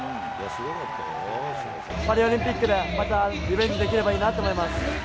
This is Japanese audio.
パリオリンピックで、またリベンジできればいいなと思います。